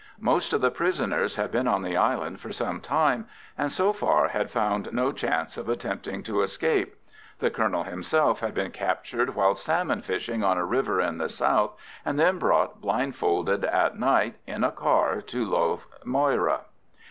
Most of the prisoners had been on the island for some time, and so far had found no chance of attempting to escape. The colonel himself had been captured whilst salmon fishing on a river in the south, and then brought blindfolded at night in a car to Lough Moyra.